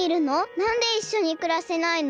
なんでいっしょにくらせないの？